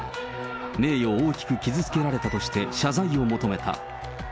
名誉を大きく傷つけられたとして、謝罪を求めた。